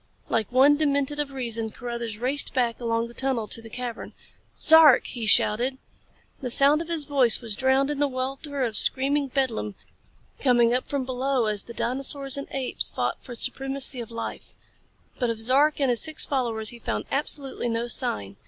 Like one demented of reason, Carruthers raced back along the tunnel to the cavern. "Zark!" he shouted. The sound of his voice was drowned in the welter of screaming bedlam coming up from below as the dinosaurs and apes fought for the supremacy of life. But of Zark and his six followers he found absolutely no sign.